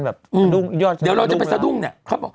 อืมเดี๋ยวเราจะเป็นสะดุ่งเนี่ย